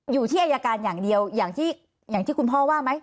อยู่ที่อายการอย่างเดียวอย่างที่คุณพ่อว่าไหม